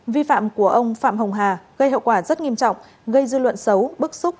vi phạm của ông phạm hồng hà gây hậu quả rất nghiêm trọng gây dư luận xấu bức xúc